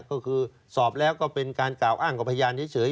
ก็คือสอบแล้วก็เป็นการกล่าวอ้างกับพยานเฉย